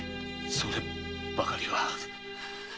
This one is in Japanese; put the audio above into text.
そればかりは。